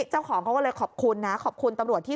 เจ้าของเขาก็เลยขอบคุณนะขอบคุณตำรวจที่